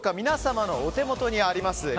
皆様のお手元にあります